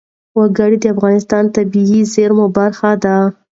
وګړي د افغانستان د طبیعي زیرمو برخه ده.